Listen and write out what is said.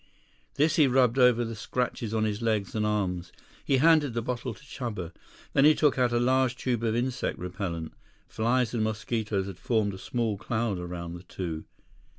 This he rubbed over the scratches on his legs and arms. He handed the bottle to Chuba. Then he took out a large tube of insect repellant. Flies and mosquitoes had formed a small cloud around the two.